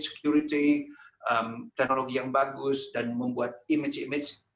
security teknologi yang bagus dan membuat image image